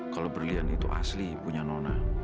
kalau berlian itu asli punya nona